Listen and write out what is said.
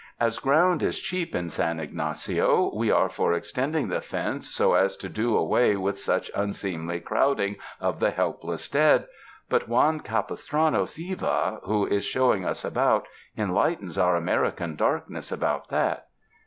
As ground is cheap in San Ygnacio, we are for extend ' ing the fence so as to do away with such unseemly crowding of the helpless dead, but Juan Capistrano Siva, who is showing us about, enlightens our American darkness about that.